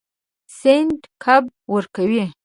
سیند کب ورکوي.